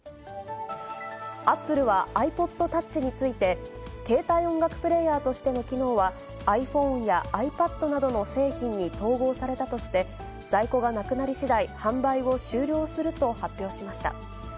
アップルはｉＰｏｄｔｏｕｃｈについて、携帯音楽プレーヤーとしての機能は、ｉＰｈｏｎｅやｉＰａｄなどの製品に統合されたとして、在庫がなくなりしだい、販売を終了すると発表しました。